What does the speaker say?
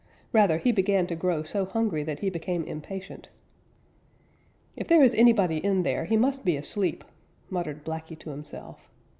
Rather, he began to grow so hungry that he became impatient. "If there is anybody in there he must be asleep," muttered Blacky to himself.